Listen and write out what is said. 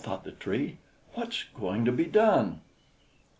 thought the Tree. "What's going to be done?"